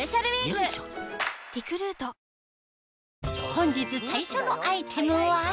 本日最初のアイテムは？